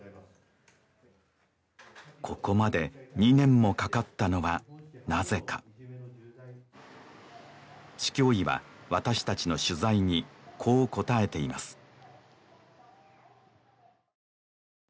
ここまで２年もかかったのはなぜか市教委は私たちの取材にこう答えています